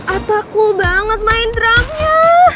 atta cool banget main drumnya